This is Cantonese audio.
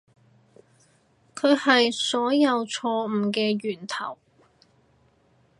佢係所有錯誤嘅源頭